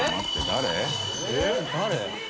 誰？